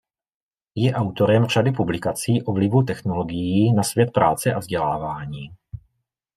Je autorem řady publikací o vlivu technologií na svět práce a vzdělávání.